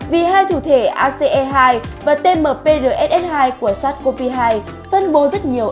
vì hai thủ thể ace hai và tmprss hai của sars cov hai phân bố rất nhiều